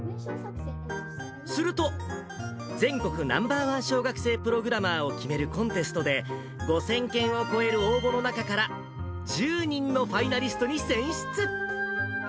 すると、全国ナンバー１小学生プログラマーを決めるコンテストで、５０００件を超える応募の中から、１０人のファイナリストに選出。